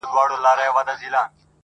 o د دوى دا هيله ده.